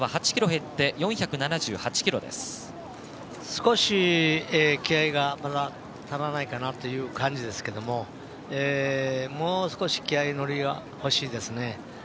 少し気合いがまだ足らないかなという感じですけどももう少し気合い乗りがほしいですね。